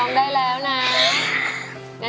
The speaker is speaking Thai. ร้องได้แล้วนะ